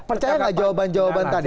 percaya gak jawaban jawaban tadi